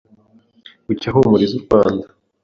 Bucya ahumuriza u Rwanda